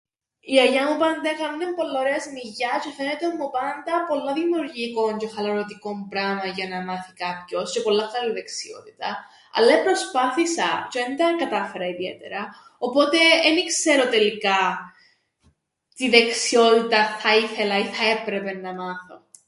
Η γιαγιά μου πάντα έκαμνεν πολλά ωραία σμιλιά τζ̆αι εφαίνετουν μου πάντα πολλά δημιουργικόν τζ̆αι χαλαρωτικόν πράμαν για να μάθει κάποιος, τζ̆αι πολλά καλή δεξιότητα, αλλά επροσπάθησα τζ̆αι εν τα εκατάφερα ιδιαίτερα, οπότε εν ι-ξέρω τελικά τι δεξι΄οτηταν θα ήθελα ή θα έπρεπεν να μάθω.